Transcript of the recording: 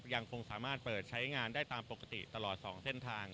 ยังคงสามารถเปิดใช้งานได้ตามปกติตลอด๒เส้นทาง